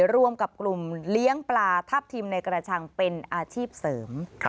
รวมกับกลุ่มเลี้ยงปลาทัพทิมในกระชังเป็นอาชีพเสริม